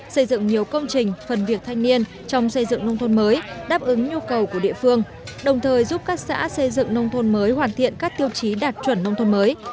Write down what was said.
xây dựng nhiều công trình phần việc thanh niên trong xây dựng nông thôn mới đáp ứng nhu cầu của địa phương đồng thời giúp các xã xây dựng nông thôn mới hoàn thiện các tiêu chí đạt chuẩn nông thôn mới